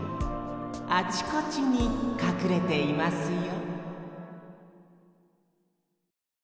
あちこちにかくれていますよ